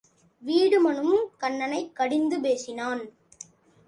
வீடுமனும் கன்னனைக் கடிந்து பேசினான்.